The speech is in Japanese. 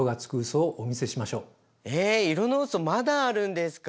え色のうそまだあるんですか？